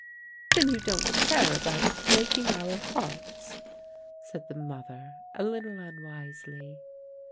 "Then you don't care about breaking our hearts?" said the mother a little unwisely.